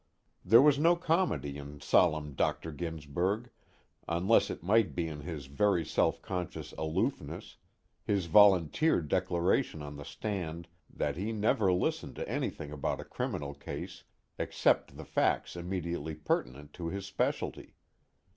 There was no comedy in solemn Dr. Ginsberg, unless it might be in his very self conscious aloofness, his volunteered declaration on the stand that he never listened to anything about a criminal case except the facts immediately pertinent to his specialty.